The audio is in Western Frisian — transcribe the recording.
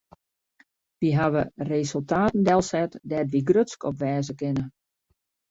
Wy hawwe resultaten delset dêr't wy grutsk op wêze kinne.